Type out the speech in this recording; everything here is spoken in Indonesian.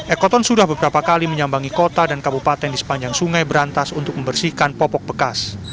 ekoton sudah beberapa kali menyambangi kota dan kabupaten di sepanjang sungai berantas untuk membersihkan popok bekas